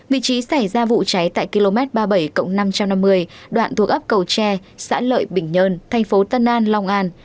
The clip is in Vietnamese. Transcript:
vị trí xảy ra vụ cháy tại km ba mươi bảy cộng năm trăm năm mươi đoạn thuộc ấp cầu tre xã lợi bình nhân tp tân an long an